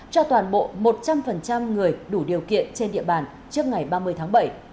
cho toàn bộ một trăm linh người đủ điều kiện trên địa bàn trước ngày ba mươi tháng bảy